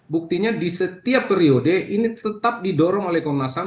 buktinya di setiap periode ini tetap didorong oleh komnas ham